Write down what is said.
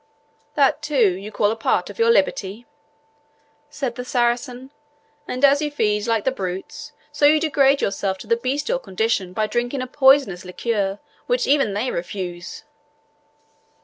"That, too, you call a part of your liberty," said the Saracen; "and as you feed like the brutes, so you degrade yourself to the bestial condition by drinking a poisonous liquor which even they refuse!"